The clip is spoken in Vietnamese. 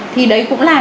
thì đấy cũng là